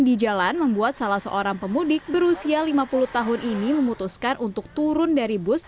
di jalan membuat salah seorang pemudik berusia lima puluh tahun ini memutuskan untuk turun dari bus